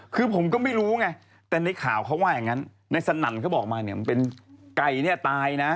คือผมก็ไม่รู้ไงแต่ในข่าวเขาว่าอย่างนั้นในสนั่นเขาบอกมาเนี่ยมันเป็นไก่เนี่ยตายนะ